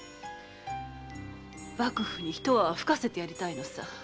幕府に一泡ふかせてやりたいのさ。